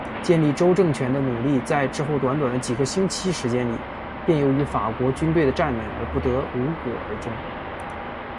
建立州政权的努力在之后短短的几个星期时间里便由于法国军队的占领而不得无果而终。